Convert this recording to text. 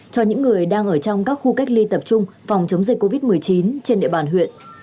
cho những người đang ở trong các khu cách ly tập trung phòng chống dịch covid một mươi chín trên địa bàn huyện